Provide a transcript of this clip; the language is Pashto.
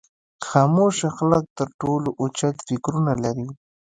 خاموشه خلک تر ټولو اوچت فکرونه لري.